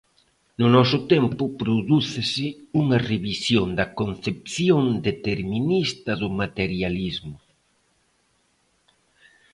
No noso tempo prodúcese unha revisión da concepción determinista do materialismo.